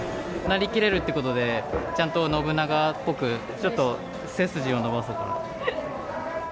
なりきれるっていうことで、ちゃんと信長っぽく、ちょっと背筋を伸ばそうかなと。